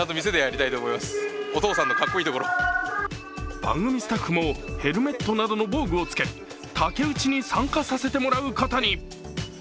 番組スタッフもヘルメットなどの防具をつけ、竹うちに参加させてもらうことに。